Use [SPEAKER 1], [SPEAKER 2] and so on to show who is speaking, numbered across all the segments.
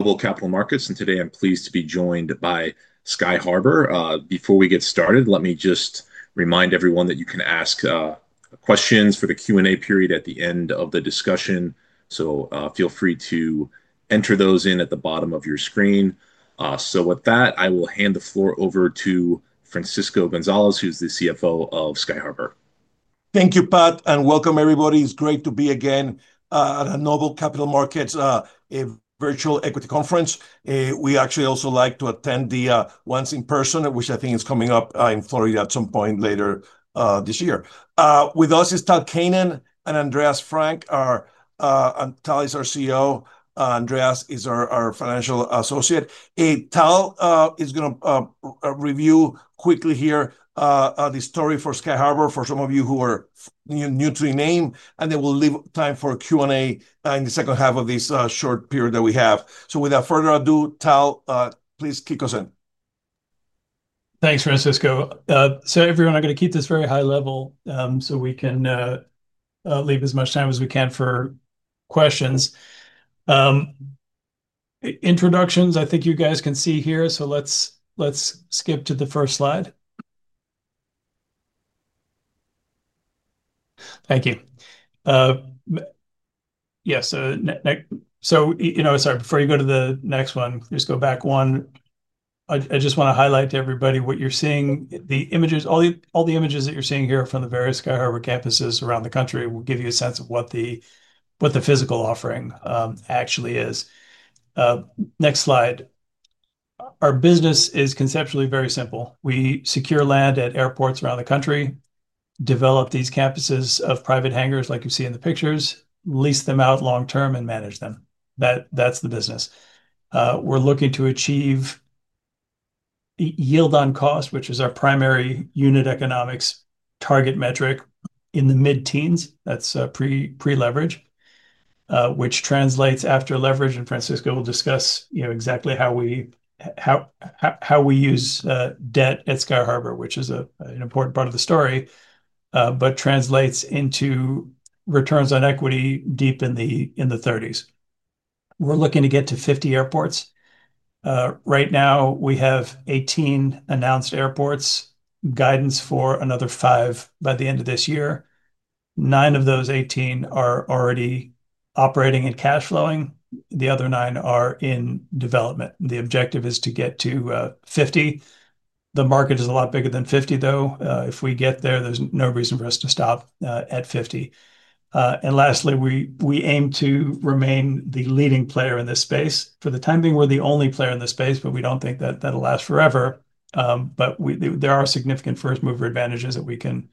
[SPEAKER 1] Global Capital Markets, and today I'm pleased to be joined by Sky Harbour. Before we get started, let me just remind everyone that you can ask questions for the Q&A period at the end of the discussion. Feel free to enter those in at the bottom of your screen. With that, I will hand the floor over to Francisco Gonzalez, who's the CFO of Sky Harbour.
[SPEAKER 2] Thank you, Pat, and welcome, everybody. It's great to be again at a Global Capital Markets virtual equity conference. We actually also like to attend the ones in person, which I think is coming up at some point later this year. With us is Tal Keinan and Andreas Frank. Tal, he's our CEO. Andreas is our Financial Associate. Tal is going to review quickly here the story for Sky Harbour for some of you who are new to the name, and then we'll leave time for Q&A in the second half of this short period that we have. Without further ado, Tal, please kick us in.
[SPEAKER 3] Thanks, Francisco. Everyone, I'm going to keep this very high level, so we can leave as much time as we can for questions. Introductions, I think you guys can see here. Let's skip to the first slide. Thank you. Yeah, before you go to the next one, just go back one. I just want to highlight to everybody what you're seeing. The images, all the images that you're seeing here from the various Sky Harbour campuses around the country will give you a sense of what the physical offering actually is. Next slide. Our business is conceptually very simple. We secure land at airports around the country, develop these campuses of private hangars like you see in the pictures, lease them out long term and manage them. That's the business. We're looking to achieve yield on cost, which is our primary unit economics target metric in the mid-teens. That's pre-leverage, which translates after leverage. Francisco will discuss exactly how we use debt at Sky Harbour, which is an important part of the story, but translates into returns on equity deep in the thirties. We're looking to get to 50 airports. Right now we have 18 announced airports, guidance for another five by the end of this year. Nine of those 18 are already operating and cash flowing. The other nine are in development. The objective is to get to 50. The market is a lot bigger than 50, though. If we get there, there's no reason for us to stop at 50. Lastly, we aim to remain the leading player in this space. For the time being, we're the only player in this space, but we don't think that that'll last forever. There are significant first mover advantages that we can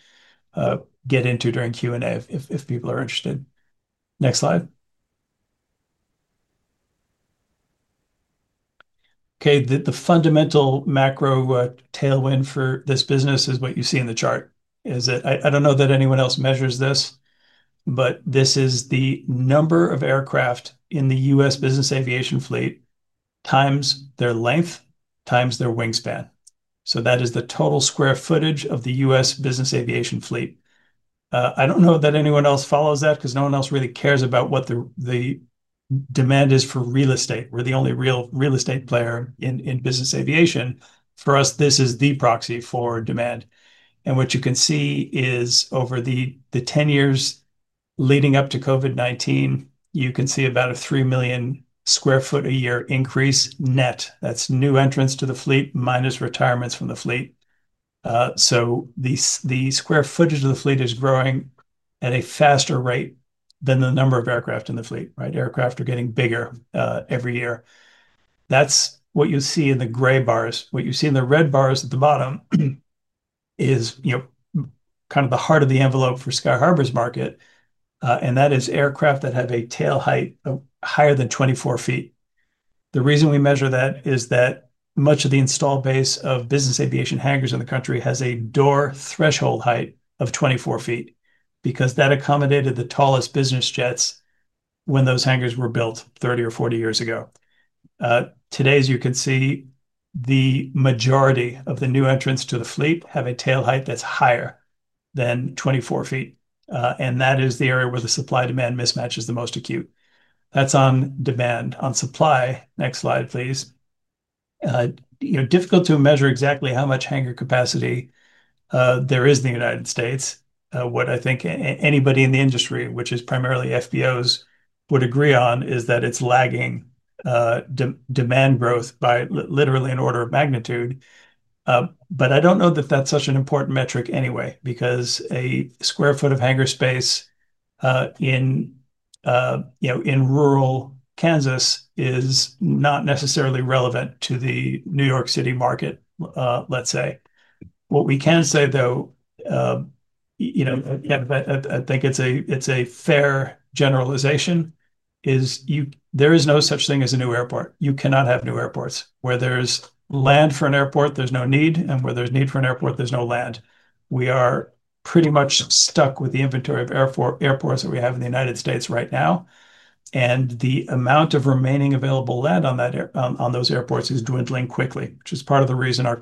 [SPEAKER 3] get into during Q&A if people are interested. Next slide. The fundamental macro tailwind for this business is what you see in the chart. I don't know that anyone else measures this, but this is the number of aircraft in the U.S. Business Aviation Fleet times their length times their wingspan. That is the total square footage of the U.S. Business Aviation Fleet. I don't know that anyone else follows that because no one else really cares about what the demand is for real estate. We're the only real estate player in business aviation. For us, this is the proxy for demand. What you can see is over the 10 years leading up to COVID-19, you can see about a 3 million sq ft a year increase net. That's new entrants to the fleet minus retirements from the fleet. So the square footage of the fleet is growing at a faster rate than the number of aircraft in the fleet, right? Aircraft are getting bigger every year. That's what you see in the gray bars. What you see in the red bars at the bottom is, you know, kind of the heart of the envelope for Sky Harbour's market, and that is aircraft that have a tail height of higher than 24 ft. The reason we measure that is that much of the install base of business aviation hangars in the country has a door threshold height of 24 ft because that accommodated the tallest business jets when those hangars were built 30 or 40 years ago. Today, as you can see, the majority of the new entrants to the fleet have a tail height that's higher than 24 ft, and that is the area where the supply-demand mismatch is the most acute. That's on demand. On supply, next slide, please. You know, difficult to measure exactly how much hangar capacity there is in the United States. What I think anybody in the industry, which is primarily FBOs, would agree on is that it's lagging demand growth by literally an order of magnitude. I don't know that that's such an important metric anyway, because a square foot of hangar space in, you know, in rural Kansas is not necessarily relevant to the New York City market, let's say. What we can say, though, you know, again, I think it's a fair generalization, is you, there is no such thing as a new airport. You cannot have new airports. Where there's land for an airport, there's no need, and where there's need for an airport, there's no land. We are pretty much stuck with the inventory of airports that we have in the United States right now, and the amount of remaining available land on those airports is dwindling quickly, which is part of the reason our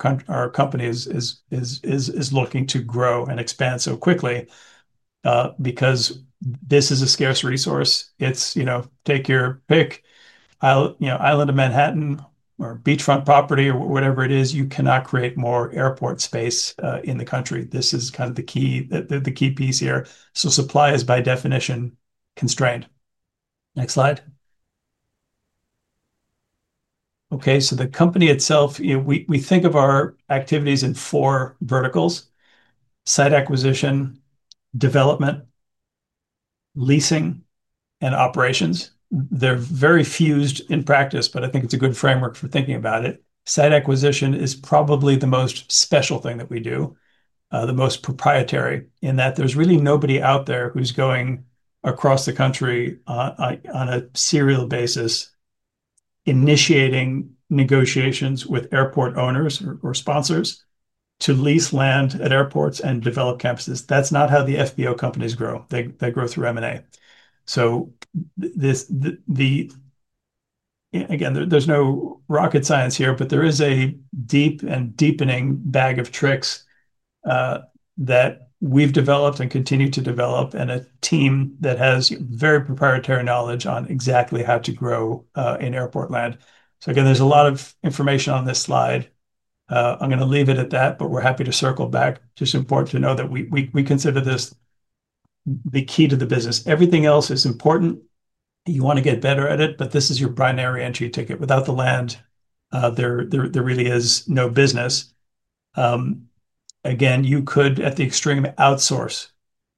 [SPEAKER 3] company is looking to grow and expand so quickly, because this is a scarce resource. It's, you know, take your pick. I'll, you know, island of Manhattan or beachfront property or whatever it is, you cannot create more airport space in the country. This is kind of the key, the key piece here. Supply is by definition constrained. Next slide. Okay, so the company itself, you know, we think of our activities in four verticals: site acquisition, development, leasing, and operations. They're very fused in practice, but I think it's a good framework for thinking about it. Site acquisition is probably the most special thing that we do, the most proprietary in that there's really nobody out there who's going across the country, on a serial basis, initiating negotiations with airport owners or sponsors to lease land at airports and develop campuses. That's not how the FBO companies grow. They grow through M&A. There is no rocket science here, but there is a deep and deepening bag of tricks that we've developed and continue to develop, and a team that has very proprietary knowledge on exactly how to grow in airport land. There is a lot of information on this slide. I'm going to leave it at that, but we're happy to circle back. It's important to know that we consider this the key to the business. Everything else is important. You want to get better at it, but this is your binary entry ticket. Without the land, there really is no business. At the extreme, you could outsource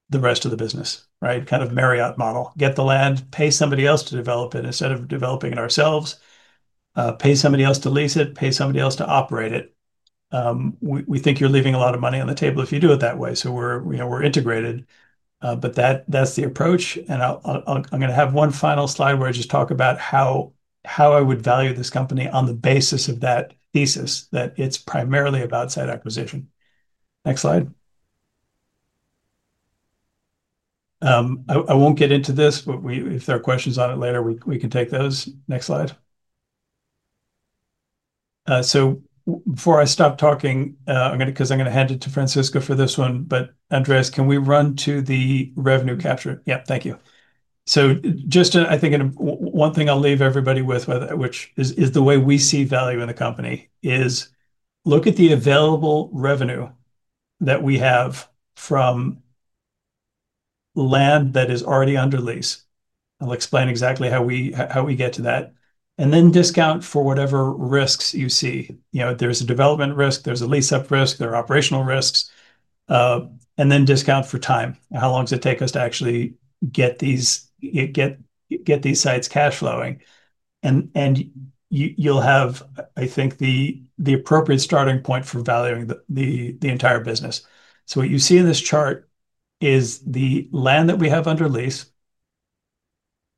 [SPEAKER 3] the rest of the business, right? Kind of Marriott model. Get the land, pay somebody else to develop it instead of developing it ourselves, pay somebody else to lease it, pay somebody else to operate it. We think you're leaving a lot of money on the table if you do it that way. We're integrated, but that's the approach. I'm going to have one final slide where I just talk about how I would value this company on the basis of that thesis that it's primarily about site acquisition. Next slide. I won't get into this, but if there are questions on it later, we can take those. Next slide. Before I stop talking, because I'm going to hand it to Francisco for this one, Andreas, can we run to the revenue capture?
[SPEAKER 4] Yeah. Thank you.
[SPEAKER 3] One thing I'll leave everybody with, which is the way we see value in the company, is look at the available revenue that we have from land that is already under lease. I'll explain exactly how we get to that, and then discount for whatever risks you see. There's a development risk, there's a lease-up risk, there are operational risks, and then discount for time. How long does it take us to actually get these sites cash flowing? You'll have, I think, the appropriate starting point for valuing the entire business. What you see in this chart is the land that we have under lease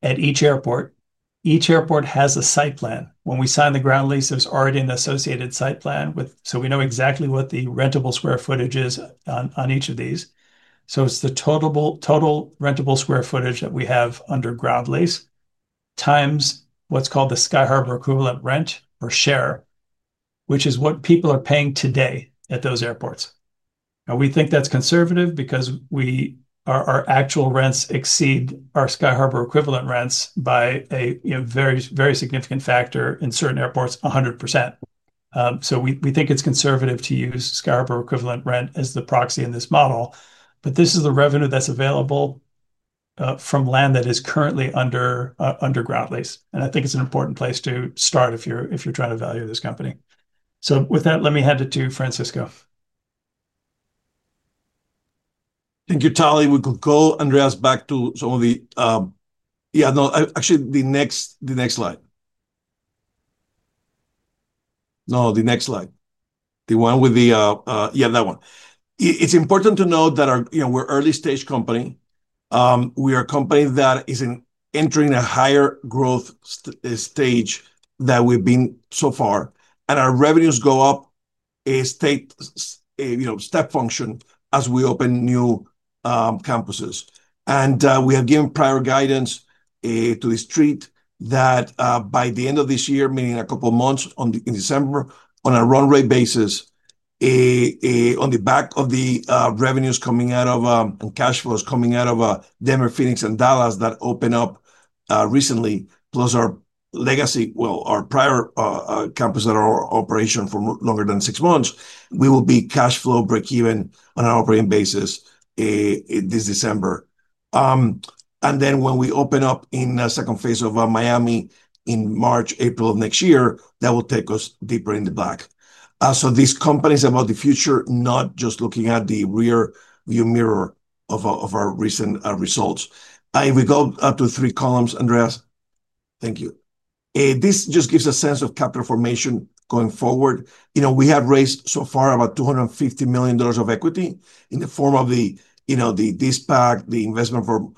[SPEAKER 3] at each airport. Each airport has a site plan. When we sign the ground lease, there's already an associated site plan with, so we know exactly what the rentable square footage is on each of these. It's the total rentable square footage that we have under ground lease times what's called the Sky Harbour equivalent rent or share, which is what people are paying today at those airports. We think that's conservative because our actual rents exceed our Sky Harbour equivalent rents by a very, very significant factor, in certain airports, 100%. We think it's conservative to use Sky Harbour equivalent rent as the proxy in this model. This is the revenue that's available from land that is currently under ground lease. I think it's an important place to start if you're trying to value this company. With that, let me hand it to Francisco.
[SPEAKER 2] Thank you, Tal. We could go, Andreas, back to some of the, yeah, no, actually the next, the next slide. No, the next slide. The one with the, yeah, that one. It's important to note that our, you know, we're an early-stage company. We are a company that is entering a higher growth stage than we've been so far. Our revenues go up, step function as we open new campuses. We have given prior guidance to the street that, by the end of this year, meaning a couple of months in December, on a run rate basis, on the back of the revenues coming out of, and cash flows coming out of, Denver, Phoenix, and Dallas that opened up recently, plus our legacy, well, our prior campus that are operational for longer than six months, we will be cash flow break-even on an operating basis this December. When we open up in a second phase of Miami in March, April of next year, that will take us deeper in the black. These companies are about the future, not just looking at the rear view mirror of our recent results. We go up to three columns, Andreas. Thank you. This just gives a sense of capital formation going forward. We have raised so far about $250 million of equity in the form of the, you know, the dispatch, the investment for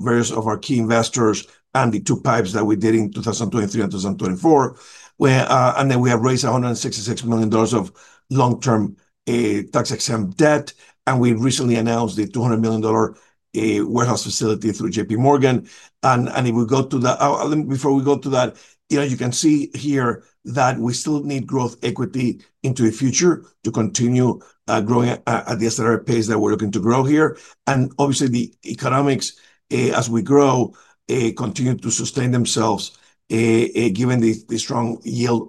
[SPEAKER 2] various of our key investors and the two pipes that we did in 2023 and 2024. We have raised $166 million of long-term, tax-exempt debt. We recently announced the $200 million warehouse facility through JPMorgan. If we go to that, before we go to that, you can see here that we still need growth equity into the future to continue growing at the SLR pace that we're looking to grow here. Obviously, the economics as we grow continue to sustain themselves, given the strong yield,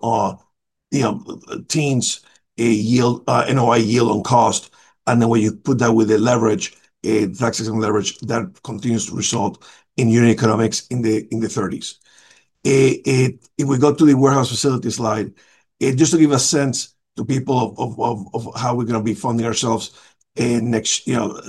[SPEAKER 2] you know, teens, yield, NOI yield on cost. When you put that with the leverage, the tax-exempt leverage that continues to result in unit economics in the thirties. If we go to the warehouse facility slide, just to give a sense to people of how we're going to be funding ourselves next year and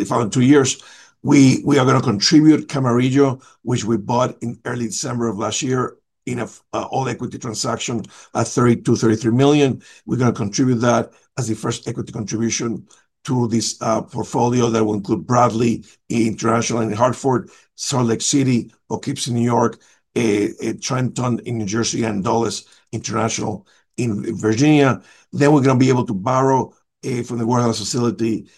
[SPEAKER 2] the following two years, we are going to contribute Camarillo, which we bought in early December of last year in an all-equity transaction at $32 million, $33 million. We're going to contribute that as the first equity contribution to this portfolio that will include Bradley International in Hartford, Salt Lake City, O'Keeffe in New York, Trenton in New Jersey, and Dulles International in Virginia. We're going to be able to borrow from the warehouse facility.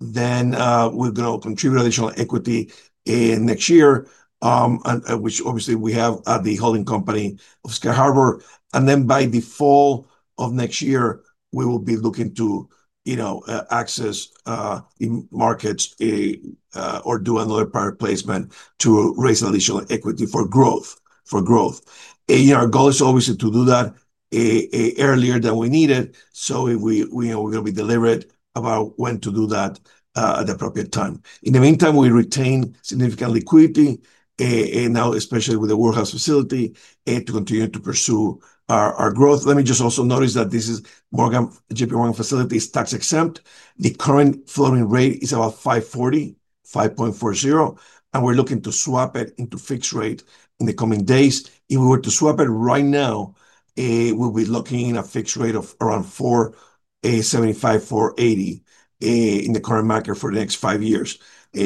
[SPEAKER 2] We're going to contribute additional equity next year, which obviously we have at the holding company of Sky Harbour. By the fall of next year, we will be looking to access markets or do another prior placement to raise additional equity for growth. Our goal is obviously to do that earlier than we need it. We are going to be deliberate about when to do that at the appropriate time. In the meantime, we retain significant liquidity, and now especially with the warehouse facility, to continue to pursue our growth. Let me just also note that this JPMorgan facility is tax-exempt. The current floating rate is about 5.40%. We're looking to swap it into fixed rate in the coming days. If we were to swap it right now, we'd be looking at a fixed rate of around 4.75%-4.80% in the current market for the next five years. Again,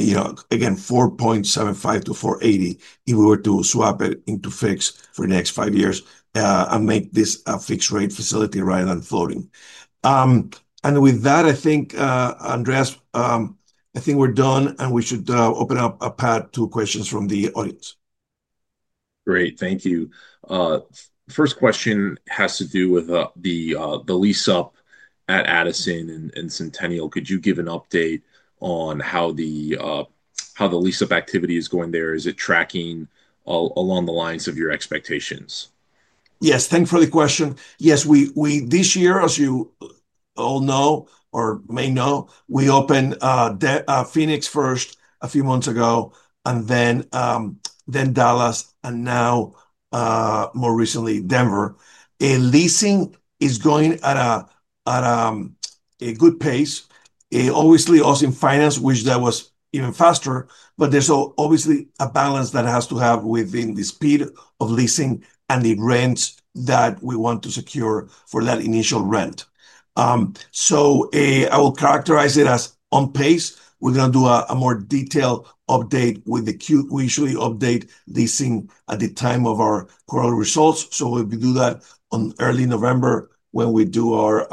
[SPEAKER 2] 4.75% to 4.80% if we were to swap it into fixed for the next five years and make this a fixed rate facility rather than floating. With that, I think, Andreas, I think we're done and we should open up a path to questions from the audience.
[SPEAKER 1] Great, thank you. The first question has to do with the lease-up at Addison and Centennial. Could you give an update on how the lease-up activity is going there? Is it tracking all along the lines of your expectations?
[SPEAKER 2] Yes, thanks for the question. Yes, this year, as you all know, or may know, we opened Phoenix first a few months ago, and then Dallas, and now, more recently, Denver. Leasing is going at a good pace. Obviously, Austin Finance wished that was even faster, but there's a balance that has to happen within the speed of leasing and the rents that we want to secure for that initial rent. I will characterize it as on pace. We're going to do a more detailed update with the Q. We usually update leasing at the time of our growth results. We do that in early November when we do our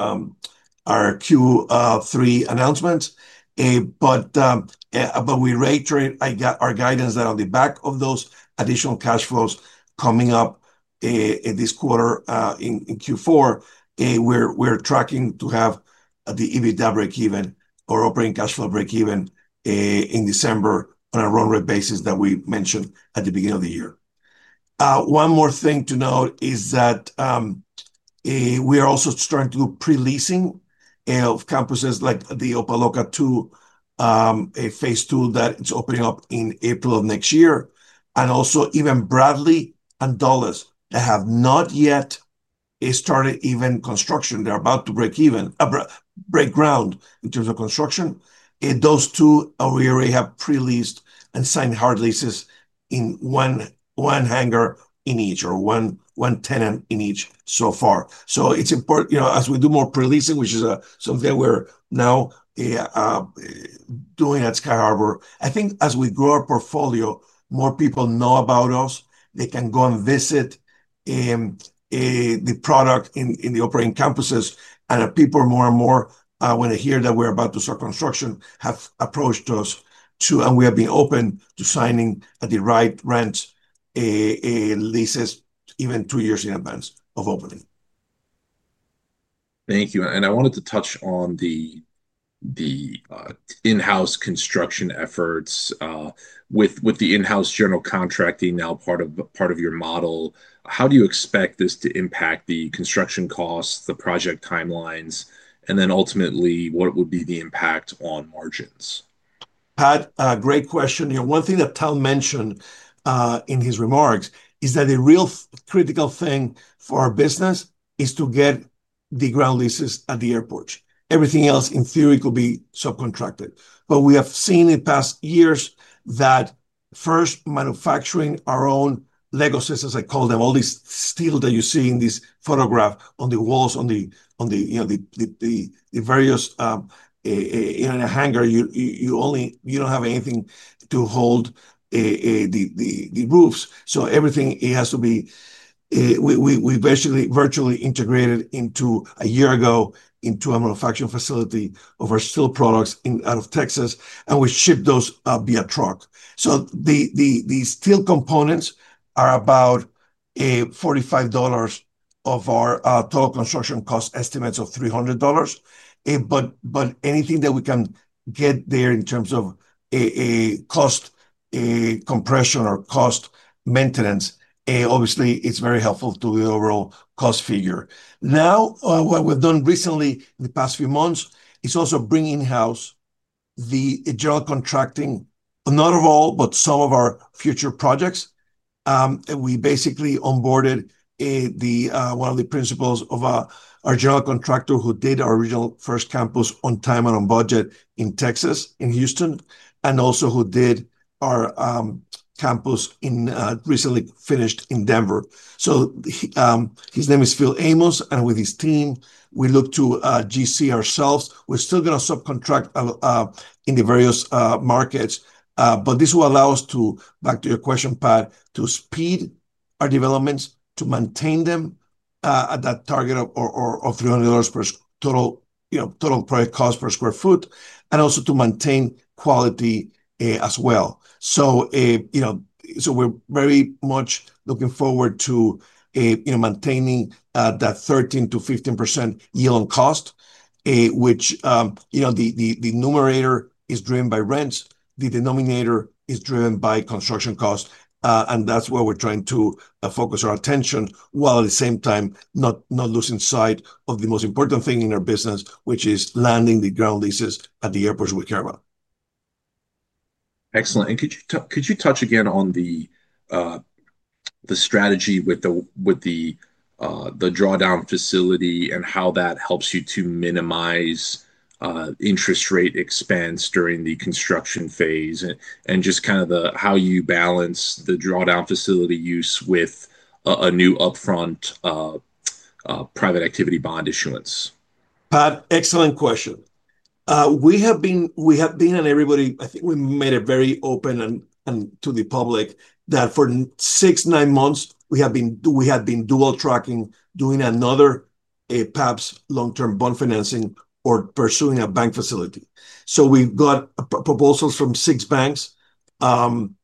[SPEAKER 2] Q3 announcements. We rate our guidance that on the back of those additional cash flows coming up, at this quarter, in Q4, we're tracking to have the EBITDA break even or operating cash flow break even, in December on a run rate basis that we mentioned at the beginning of the year. One more thing to note is that we are also starting to do pre-leasing of campuses like the Opa-locka 2, a phase II that is opening up in April of next year. Also, even Bradley and Dulles that have not yet started even construction, they're about to break ground in terms of construction. Those two already have pre-leased and signed hard leases in one hangar in each or one tenant in each so far. It's important, you know, as we do more pre-leasing, which is something that we're now doing at Sky Harbour. I think as we grow our portfolio, more people know about us. They can go and visit the product in the operating campuses. People more and more, when they hear that we're about to start construction, have approached us too, and we have been open to signing at the right rent and leases even two years in advance of opening.
[SPEAKER 1] Thank you. I wanted to touch on the in-house construction efforts, with the in-house general contracting now part of your model. How do you expect this to impact the construction costs, the project timelines, and ultimately what would be the impact on margins?
[SPEAKER 2] Pat, great question. You know, one thing that Tal mentioned in his remarks is that a real critical thing for our business is to get the ground leases at the airports. Everything else in theory could be subcontracted. We have seen in the past years that first manufacturing our own Lego systems, I call them, all this steel that you see in this photograph on the walls, in a hangar, you only, you don't have anything to hold the roofs. Everything has to be, we basically vertically integrated about a year ago into a manufacturing facility of our steel products out of Texas, and we ship those via truck. The steel components are about $45 of our total construction cost estimates of $300. Anything that we can get there in terms of cost compression or cost maintenance obviously is very helpful to the overall cost figure. What we've done recently in the past few months is also bring in-house the general contracting, not of all, but some of our future projects. We basically onboarded one of the principals of our general contractor who did our original first campus on time and on budget in Texas, in Houston, and also who did our campus recently finished in Denver. His name is Phil Amos, and with his team, we look to GC ourselves. We're still going to subcontract in the various markets. This will allow us, back to your question, Pat, to speed our developments, to maintain them at that target of $300 total project cost per sq ft, and also to maintain quality as well. We're very much looking forward to maintaining that 13%-15% yield on cost, which, the numerator is driven by rents. The denominator is driven by construction costs, and that's where we're trying to focus our attention while at the same time not losing sight of the most important thing in our business, which is landing the ground leases at the airports we care about.
[SPEAKER 1] Excellent. Could you touch again on the strategy with the drawdown facility and how that helps you to minimize interest rate expense during the construction phase, and just kind of how you balance the drawdown facility use with a new upfront private activity bond issuance?
[SPEAKER 2] Pat, excellent question. We have been, and everybody, I think we made it very open and to the public that for six, nine months, we have been, we had been dual tracking, doing another PABS long-term bond financing or pursuing a bank facility. We've got proposals from six banks, on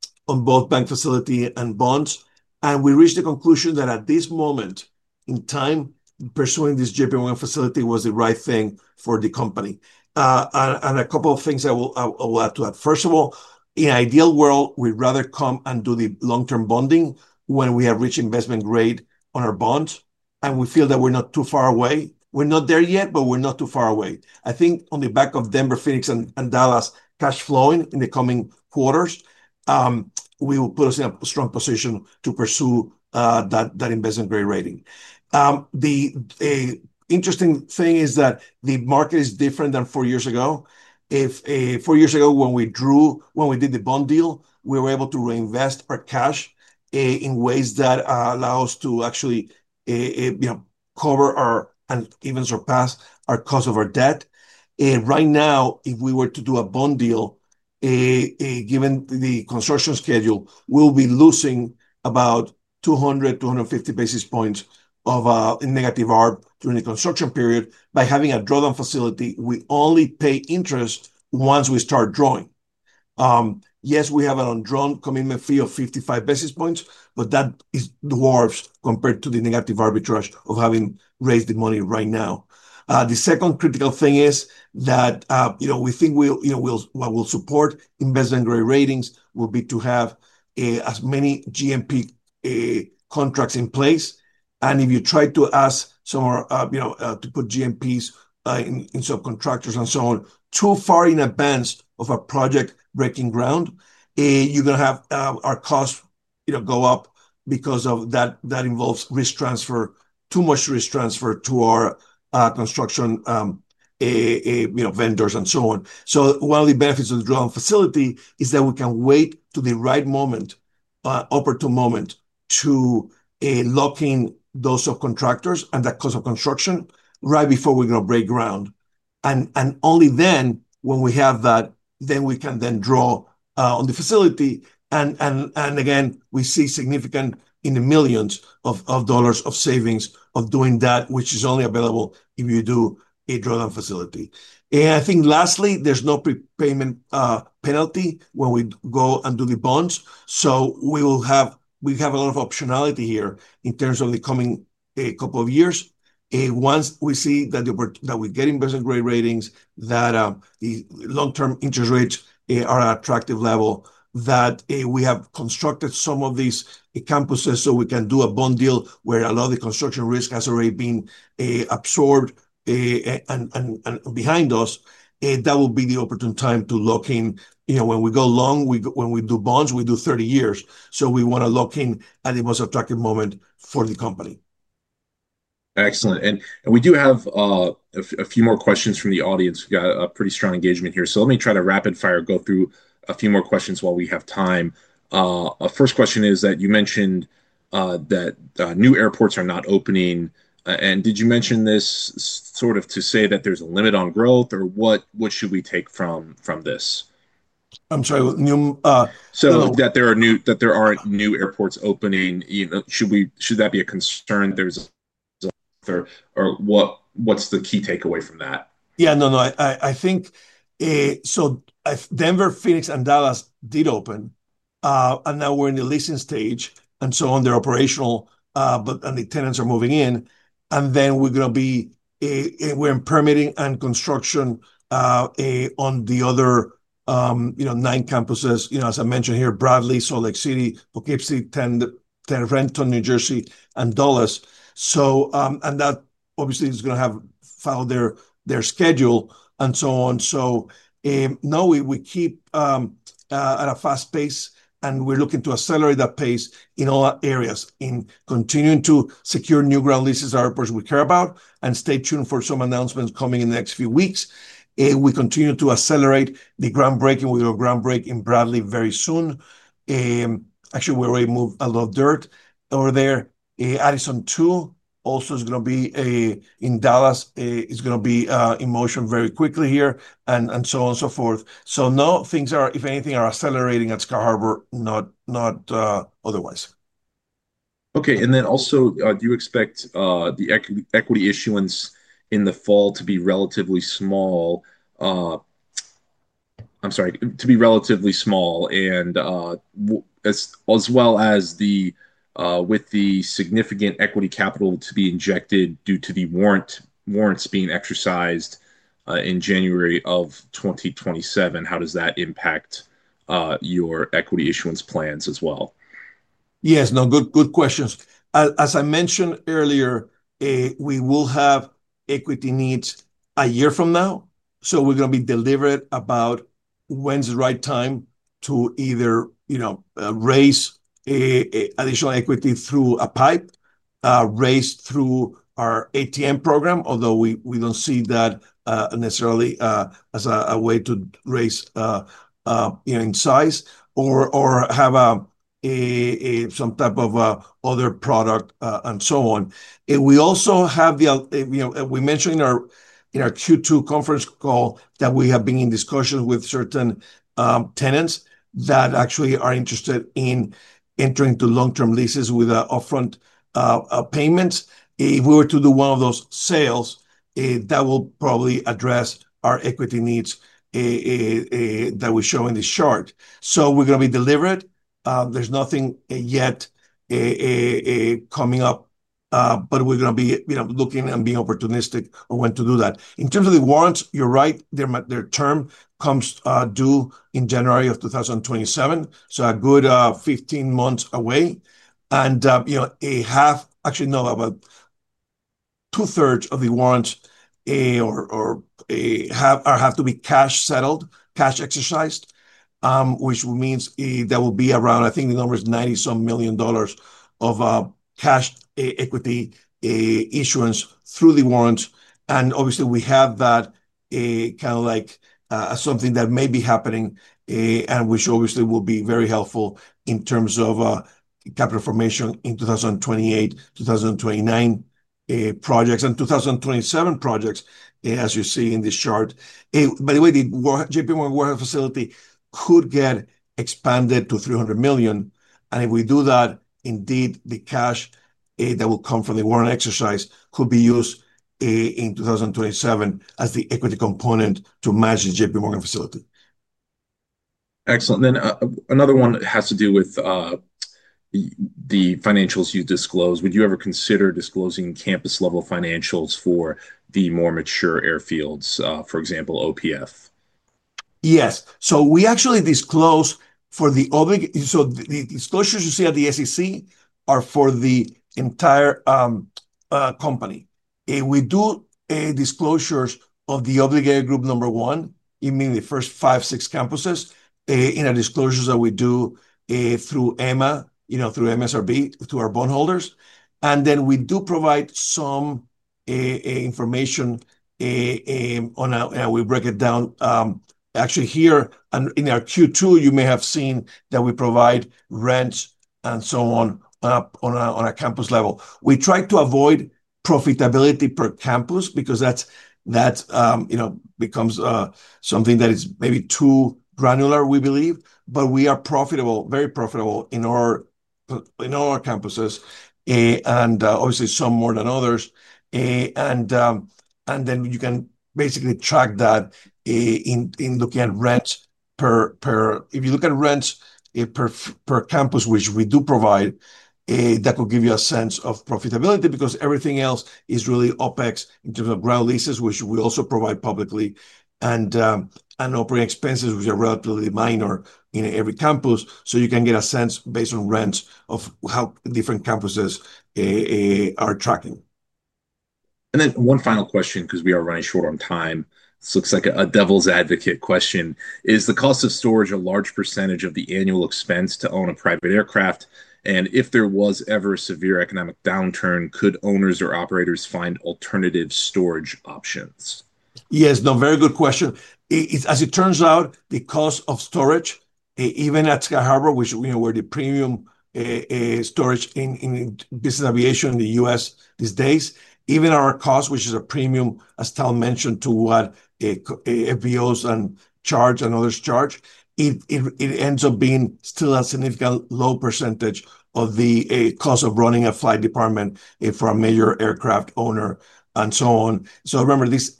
[SPEAKER 2] both bank facility and bonds. We reached the conclusion that at this moment in time, pursuing this JPMorgan facility was the right thing for the company. A couple of things I will add to that. First of all, in an ideal world, we'd rather come and do the long-term bonding when we have reached investment grade on our bonds. We feel that we're not too far away. We're not there yet, but we're not too far away. I think on the back of Denver, Phoenix, and Dallas cash flowing in the coming quarters, we will put us in a strong position to pursue that investment grade rating. The interesting thing is that the market is different than four years ago. Four years ago, when we did the bond deal, we were able to reinvest our cash in ways that allow us to actually cover and even surpass our cost of our debt. Right now, if we were to do a bond deal, given the construction schedule, we'd be losing about 200, 250 basis points of a negative arbitrage during the construction period. By having a drawdown facility, we only pay interest once we start drawing. Yes, we have an undrawn commitment fee of 55 basis points, but that is dwarfed compared to the negative arbitrage of having raised the money right now. The second critical thing is that we think what will support investment grade ratings will be to have as many GMP contracts in place. If you try to ask to put GMPs in subcontractors and so on too far in advance of a project breaking ground, you're going to have our cost go up because of that. That involves risk transfer, too much risk transfer to our construction vendors and so on. One of the benefits of the drawn facility is that we can wait to the right moment, opportune moment to lock in those subcontractors and that cost of construction right before we're going to break ground. Only then, when we have that, can we then draw on the facility. Again, we see significant, in the millions of dollars, of savings of doing that, which is only available if you do a drawdown facility. I think lastly, there's no prepayment penalty when we go and do the bonds. We have a lot of optionality here in terms of the coming couple of years. Once we see that the opportunity that we get investment grade ratings, that the long-term interest rates are at an attractive level, that we have constructed some of these campuses so we can do a bond deal where a lot of the construction risk has already been absorbed and behind us, that will be the opportune time to lock in. You know, when we go long, we go, when we do bonds, we do 30 years. We want to lock in at the most attractive moment for the company.
[SPEAKER 1] Excellent. We do have a few more questions from the audience. We got pretty strong engagement here. Let me try to rapid fire go through a few more questions while we have time. Our first question is that you mentioned that new airports are not opening. Did you mention this to say that there's a limit on growth or what should we take from this?
[SPEAKER 2] I'm new, so.
[SPEAKER 1] There aren't new airports opening. Should that be a concern? What's the key takeaway from that?
[SPEAKER 2] I think, so if Denver, Phoenix, and Dallas did open, and now we're in the leasing stage and so on, they're operational, and the tenants are moving in, and then we're going to be, we're in permitting and construction on the other nine campuses, as I mentioned here, Bradley, Salt Lake City, Oklahoma City, Teterboro, New Jersey, and Dulles. That obviously is going to have to follow their schedule and so on. We keep at a fast pace and we're looking to accelerate that pace in all our areas in continuing to secure new ground leases at airports we care about. Stay tuned for some announcements coming in the next few weeks. We continue to accelerate the groundbreaking. We're going to groundbreak in Bradley very soon. Actually, we already moved a lot of dirt over there. Addison 2 also is going to be, in Dallas, in motion very quickly here and so on and so forth. Things are, if anything, accelerating at Sky Harbour, not otherwise.
[SPEAKER 1] Okay. Do you expect the equity issuance in the fall to be relatively small, as well as with the significant equity capital to be injected due to the warrants being exercised in January 2027? How does that impact your equity issuance plans as well?
[SPEAKER 2] Yes, no, good, good questions. As I mentioned earlier, we will have equity needs a year from now. We're going to be deliberate about when's the right time to either, you know, raise additional equity through a PIPE, raise through our ATM program, although we don't see that necessarily as a way to raise, you know, in size or have some type of other product, and so on. We also have the, you know, we mentioned in our Q2 conference call that we have been in discussions with certain tenants that actually are interested in entering into long-term leases with upfront payments. If we were to do one of those sales, that will probably address our equity needs that we show in this chart. We're going to be deliberate. There's nothing yet coming up, but we're going to be, you know, looking and being opportunistic on when to do that. In terms of the warrants, you're right, their term comes due in January of 2027, so a good 15 months away. You know, a half, actually, no, about two-thirds of the warrants have or have to be cash settled, cash exercised, which means that will be around, I think the number is $90 some million of cash equity issuance through the warrants. Obviously, we have that kind of like as something that may be happening, which obviously will be very helpful in terms of capital formation in 2028, 2029 projects and 2027 projects, as you see in this chart. By the way, the JPMorgan warehouse facility could get expanded to $300 million. If we do that, indeed, the cash that will come from the warrant exercise could be used in 2027 as the equity component to match the JPMorgan facility.
[SPEAKER 1] Excellent. Another one has to do with the financials you disclose. Would you ever consider disclosing campus-level financials for the more mature airfields, for example, OPF?
[SPEAKER 2] Yes. We actually disclose for the obligation, so the disclosures you see at the SEC are for the entire company. We do disclosures of the obligated group number one, you mean the first five, six campuses, in our disclosures that we do through EMA, through MSRB, through our bondholders. We do provide some information, and we break it down, actually here in our Q2, you may have seen that we provide rents and so on, on a campus level. We try to avoid profitability per campus because that's, that's, you know, becomes something that is maybe too granular, we believe, but we are profitable, very profitable in our campuses, and obviously some more than others. You can basically track that in looking at rents per campus, which we do provide. That will give you a sense of profitability because everything else is really OpEx in terms of ground leases, which we also provide publicly, and operating expenses, which are relatively minor in every campus. You can get a sense based on rents of how different campuses are tracking.
[SPEAKER 1] One final question, because we are running short on time. This looks like a devil's advocate question. Is the cost of storage a large percentage of the annual expense to own a private aircraft? If there was ever a severe economic downturn, could owners or operators find alternative storage options?
[SPEAKER 2] Yes, very good question. As it turns out, the cost of storage, even at Sky Harbour, which we know we're the premium, storage in business aviation in the U.S. these days, even our cost, which is a premium, as Tal mentioned, to what FBOs charge and others charge, it ends up being still a significantly low percentage of the cost of running a flight department for a major aircraft owner and so on. Remember, these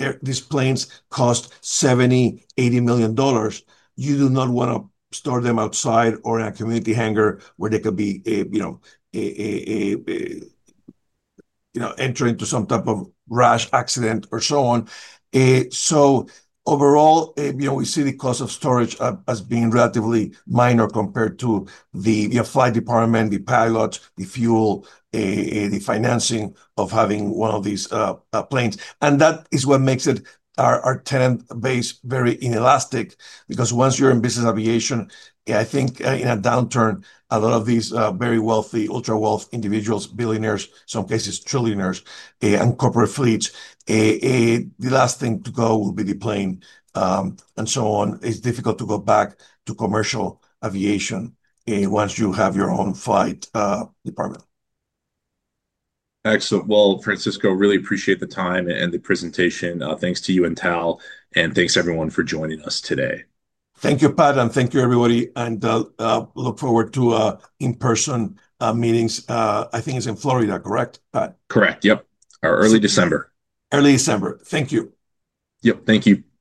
[SPEAKER 2] planes cost $70 million, $80 million. You do not want to store them outside or in a community hangar where they could be, you know, entering into some type of rash accident or so on. Overall, we see the cost of storage as being relatively minor compared to the flight department, the pilot, the fuel, the financing of having one of these planes. That is what makes our tenant base very inelastic because once you're in business aviation, I think in a downturn, a lot of these very wealthy, ultra-wealthy individuals, billionaires, some places trillionaires, and corporate fleets, the last thing to go will be the plane, and so on. It's difficult to go back to commercial aviation once you have your own flight department.
[SPEAKER 1] Excellent. Francisco, really appreciate the time and the presentation. Thanks to you and Tal, and thanks everyone for joining us today.
[SPEAKER 2] Thank you, Pat, and thank you, everybody. I look forward to in-person meetings. I think it's in Florida, correct, Pat?
[SPEAKER 1] Correct, yep, or early December.
[SPEAKER 2] Early December. Thank you.
[SPEAKER 1] Yep, thank you. Bye.